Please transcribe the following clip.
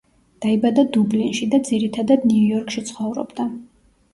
დაიბადა დუბლინში და ძირითადად ნიუ-იორკში ცხოვრობდა.